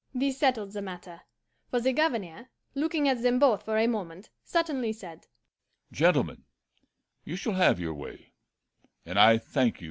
This settled the matter, for the Governor, looking at them both for a moment, suddenly said, 'Gentlemen, you shall have your way, and I thank you for your confidence.